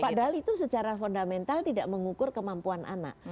padahal itu secara fundamental tidak mengukur kemampuan anak